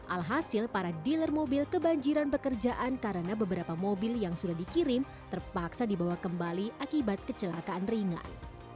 alhasil para dealer mobil kebanjiran pekerjaan karena beberapa mobil yang sudah dikirim terpaksa dibawa kembali akibat kecelakaan ringan